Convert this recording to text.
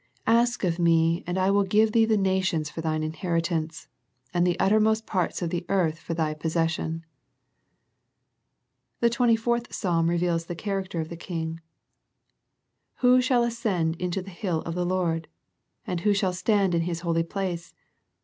Ask of Me, and I will give Thee the nations for Thine inheritance, And the uttermost parts of the earth for Thy possession." The twenty fourth Psalm reveals the char acter of that King. " Who shall ascend into the hill of the Lord ? And who shall stand in His holy place